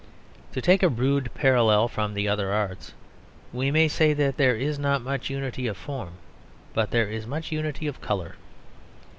To take a rude parallel from the other arts, we may say that there is not much unity of form, but there is much unity of colour.